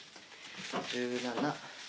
１７。